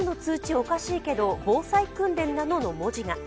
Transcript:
おかしいけど防災訓練なの？の文字が。